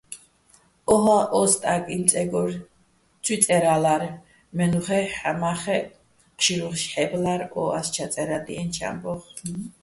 ო́ჰაჸ ო სტაკიჼ წეგორ ცუჲ წე́რალარ, მე́ნუხა́ჲ ჰ̦ამა́ხეჸ ჴშირუშ ჰ̦ე́ბლარ ო ას ჩაწე́რადჲიენჩო̆ ამბო́ხ.